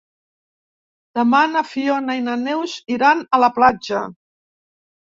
Demà na Fiona i na Neus iran a la platja.